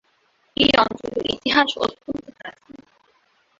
এই অঞ্চলের ইতিহাস অত্যন্ত প্রাচীন।